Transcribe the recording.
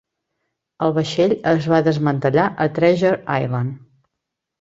El vaixell es va desmantellar a Treasure Island.